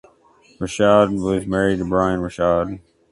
Rashad was married to Brian Rashad.